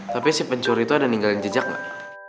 tapi si pencuri itu ada ninggalin jejak nggak